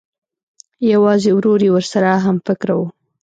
یوازې ورور یې ورسره همفکره و